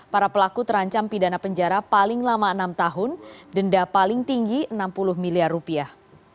para pelaku terancam pidana penjara paling lama enam tahun denda paling tinggi enam puluh miliar rupiah